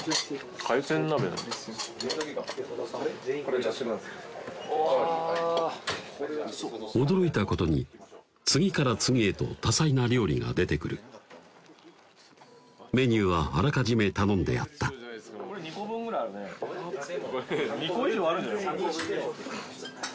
海鮮鍋お驚いたことに次から次へと多彩な料理が出てくるメニューはあらかじめ頼んであったこれ２個分ぐらいあるね２個以上あるんじゃない？